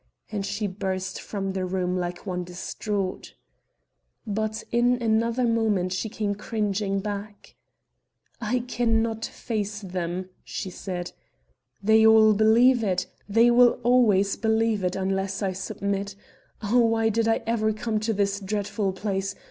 And she burst from the room like one distraught. But in another moment she came cringing back. "I can not face them," she said. "They all believe it; they will always believe it unless I submit Oh, why did I ever come to this dreadful place?